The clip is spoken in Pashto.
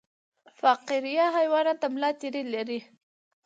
فقاریه حیوانات د ملا تیر لري